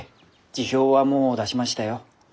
辞表はもう出しましたよ。